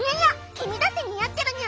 君だって似合ってるにゃ！